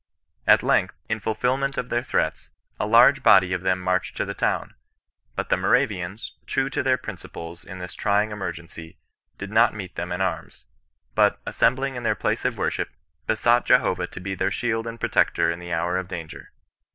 At length, in fulfilment of their threats, a large body of them inarched to the town. But the Moravians, true to their ' dplee^ ia thiB trying emerg^cy, did not meet them ClIBISTIAN NON BESISTANCE. 119 in arms ; but, assembling in their place of worship, be sought Jehovah to be their shield and protector in the hour of danger.